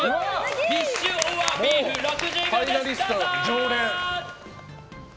フィッシュｏｒビーフ６０秒、どうぞ！